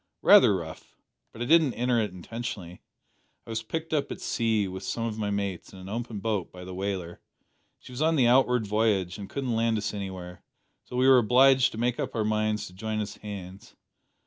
"Rather rough; but I didn't enter it intentionally. I was picked up at sea, with some of my mates, in an open boat, by the whaler. She was on the outward voyage, and couldn't land us anywhere, so we were obliged to make up our minds to join as hands."